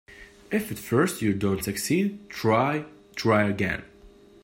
If at first you don't succeed, try, try again.